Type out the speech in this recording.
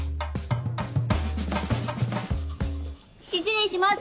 失礼します！